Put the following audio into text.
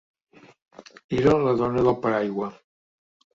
Era la dona del paraigua.